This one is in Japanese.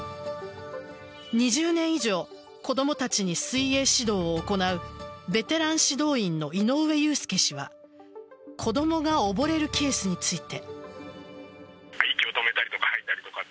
２０年以上子供たちに水泳指導を行うベテラン指導員の井上祐介氏は子供が溺れるケースについて。